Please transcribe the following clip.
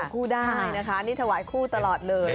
คู่ได้นะคะนี่ถวายคู่ตลอดเลย